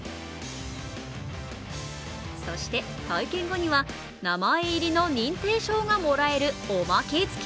そして、体験後には名前入りの認定証がもらえるおまけ付き。